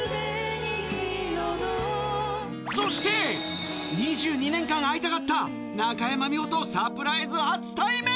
そして、２２年間会いたかった中山美穂とサプライズ初対面。